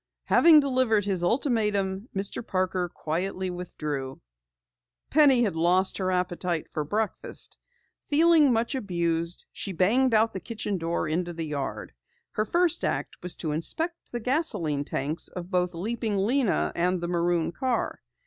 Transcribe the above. Having delivered his ultimatum, Mr. Parker quietly withdrew. Penny had lost her appetite for breakfast. Feeling much abused she banged out the kitchen door into the yard. Her first act was to inspect the gasoline tanks of both Leaping Lena and the maroon car.